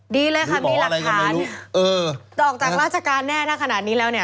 ดีเลยค่ะมีหลักฐานออกจากราชการแน่นห์ถ้าขนาดนี้แล้ว